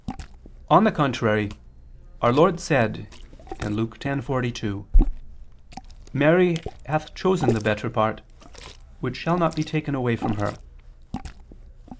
On the contrary, Our Lord said (Luke 10:42): "Mary hath chosen the best part, which shall not be taken away from her."